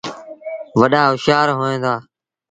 وڏآ هوشآر هوئيݩ دآ